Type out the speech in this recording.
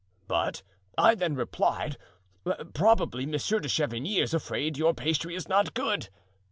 'But,' I then replied, 'probably Monsieur de Chavigny is afraid your pastry is not good.